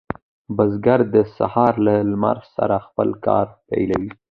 بزګر د سهار له لمر سره خپل کار پیلوي.